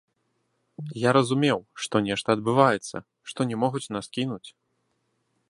Я разумеў, што нешта адбываецца, што не могуць нас кінуць.